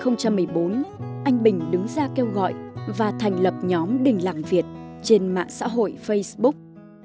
năm hai nghìn một mươi bốn anh bình đứng ra kêu gọi và thành lập nhóm đình làng việt trên mạng xã hội facebook